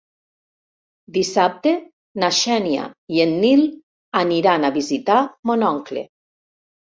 Dissabte na Xènia i en Nil aniran a visitar mon oncle.